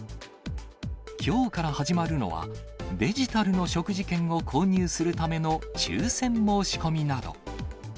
きょうから始まるのは、デジタルの食事券を購入するための抽せん申し込みなど。